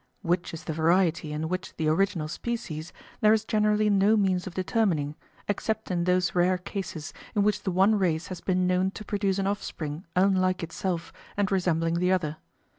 Which is the variety and which the original species, there is generally no means of determining, except in those rare cases in which the one race has been known to produce an offspring unlike itself and resembling the other.